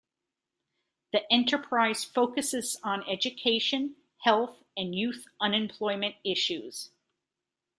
The enterprise focuses on education, health and youth unemployment issues.